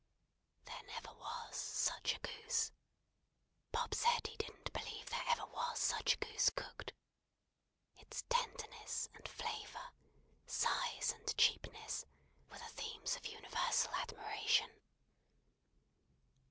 There never was such a goose. Bob said he didn't believe there ever was such a goose cooked. Its tenderness and flavour, size and cheapness, were the themes of universal admiration.